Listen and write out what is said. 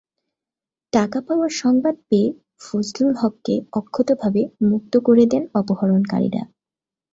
টাকা পাওয়ার সংবাদ পেয়ে ফজলুল হককে অক্ষতভাবে মুক্ত করে দেন অপহরণকারীরা।